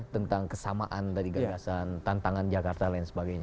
tentang kesamaan dari gagasan tantangan jakarta dan lain sebagainya